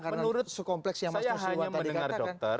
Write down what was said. menurut saya hanya mendengar dokter